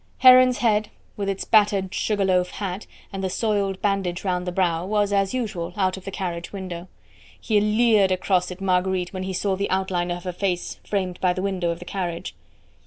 Heron's head, with its battered sugar loaf hat, and the soiled bandage round the brow, was as usual out of the carriage window. He leered across at Marguerite when he saw the outline of her face framed by the window of the carriage.